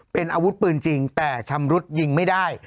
เป็นอาวุธปืนจริงแต่ชำรุดยิงไม่ได้